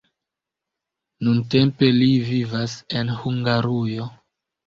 Nuntempe li vivas en Hungarujo.